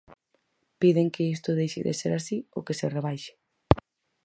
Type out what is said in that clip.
Piden que isto deixe de ser así ou que se rebaixe.